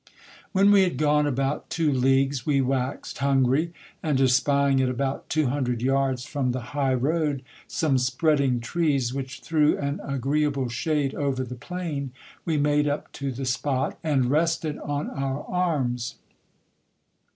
When we had gone about two leagues we waxed hungry ; and, espying at about two hundred yards from the high road some spreading trees, which threw an agreeable shade over the plain, we made up to the spot, and rested on our arms.